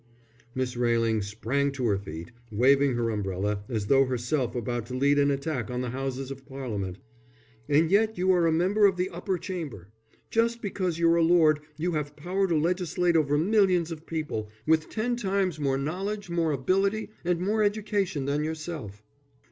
Miss Railing sprang to her feet, waving her umbrella as though herself about to lead an attack on the Houses of Parliament. "And yet you are a member of the Upper Chamber. Just because you're a lord, you have power to legislate over millions of people with ten times more knowledge, more ability, and more education than yourself."